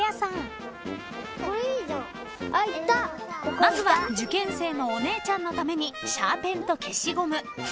［まずは受験生のお姉ちゃんのためにシャーペンと消しゴム